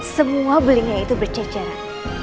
semua belinya itu bercejaran